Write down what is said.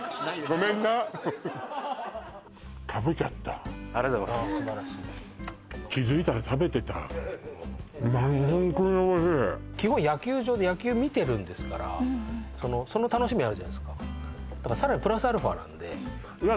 ごめんなありがとうございますああ素晴らしい気付いたら食べてたホントにおいしい基本野球場で野球見てるんですからその楽しみあるじゃないっすかだからさらにプラスアルファなんでいや